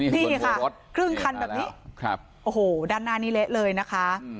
นี่ค่ะรถครึ่งคันแบบนี้โอ้โหด้านหน้านี้เละเลยนะคะ